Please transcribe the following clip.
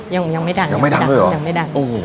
ยังยังไม่ดังยังไม่ดังด้วยหรอยังไม่ดังโอ้โห